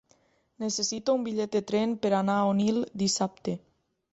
Necessito un bitllet de tren per anar a Onil dissabte.